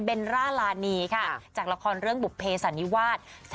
ร่าลานีค่ะจากละครเรื่องบุภเพสันนิวาส